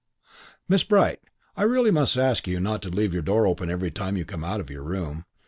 "Miss Bright, I really must ask you not to leave your door open every time you come out of your room.